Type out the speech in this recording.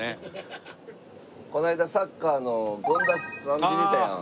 この間サッカーの権田さん出てたやん。